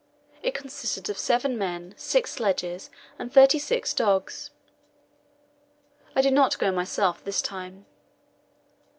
It consisted of seven men, six sledges, and thirty six dogs. I did not go myself this time.